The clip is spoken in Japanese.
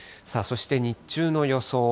そして、日中の予想